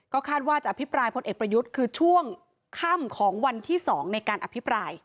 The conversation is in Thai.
คาดว่าจะอภิปรายพลเอกประยุทธ์คือช่วงค่ำของวันที่๒ในการอภิปราย